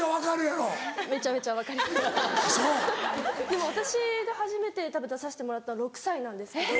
でも私が初めて出させてもらったの６歳なんですけど。